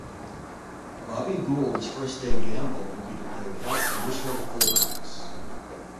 Bobby Gould's first day gamble would be to play without traditional full backs.